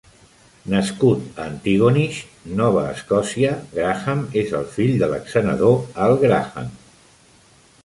Nascut a Antigonish, Nova Escòcia, Graham és el fill de l'exsenador Al Graham.